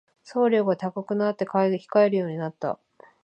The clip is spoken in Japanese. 送料が高くなって買い控えるようになった